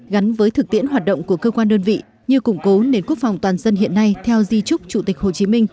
gắn với thực tiễn hoạt động của cơ quan đơn vị như củng cố nền quốc phòng toàn dân hiện nay theo di trúc chủ tịch hồ chí minh